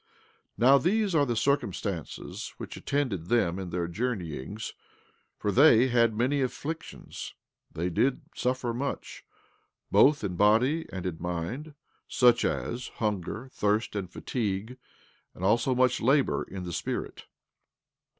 17:5 Now these are the circumstances which attended them in their journeyings, for they had many afflictions; they did suffer much, both in body and in mind, such as hunger, thirst and fatigue, and also much labor in the spirit.